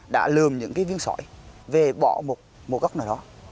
đã lườm những viên sỏi về bỏ một góc nào đó